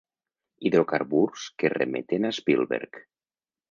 Hidrocarburs que remeten a Spielberg.